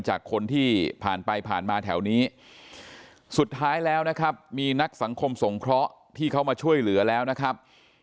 จากคนที่ผ่านไปผ่านมาแถวนี้สุดท้ายแล้วนะครับมีนักสังคมสงเคราะห์ที่เขามาช่วยเหลือแล้วนะครับ